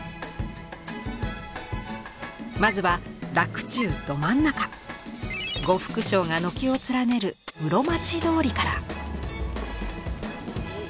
まずは洛中ど真ん中呉服商が軒を連ねる室町通りから。